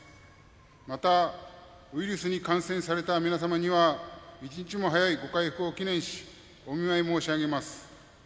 また、ウイルスに感染された皆様には一日も早いご回復を祈念しお見舞いを申し上げます。